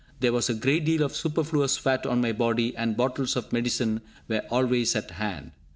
There was a great deal of superfluous fat on my body, and bottles of medicine were always at hand.